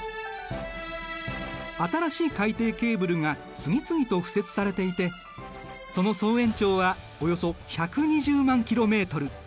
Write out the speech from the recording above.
新しい海底ケーブルが次々と敷設されていてその総延長はおよそ１２０万キロメートル。